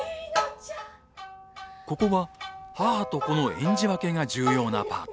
ここは母と子の演じ分けが重要なパート。